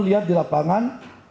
lihat di lapangan